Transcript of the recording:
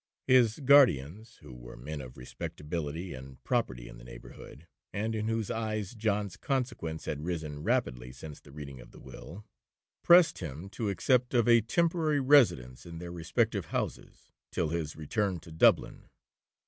His guardians (who were men of respectability and property in the neighbourhood, and in whose eyes John's consequence had risen rapidly since the reading of the will), pressed him to accept of a temporary residence in their respective houses, till his return to Dublin.